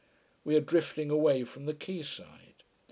We are drifting away from the quay side.